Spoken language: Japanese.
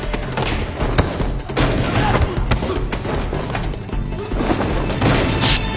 うっ。